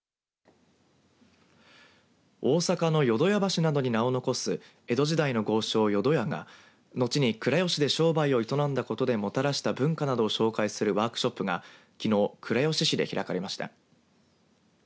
大阪の淀屋橋などに名を残す江戸時代の豪商、淀屋が後に倉吉で商売を営んだことでもたらした文化など紹介するワークショップがきのう倉吉市で開かれました。